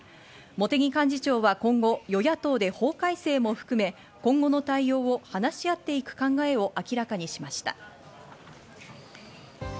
茂木幹事長は今後、与野党で法改正も含め、今後の対応を話し合っていく考えを明らかにしました。